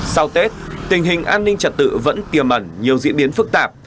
sau tết tình hình an ninh trật tự vẫn tiềm ẩn nhiều diễn biến phức tạp